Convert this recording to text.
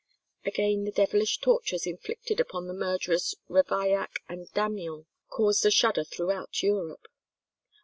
Again, the devilish tortures inflicted upon the murderers Ravaillac and Damiens caused a shudder throughout Europe.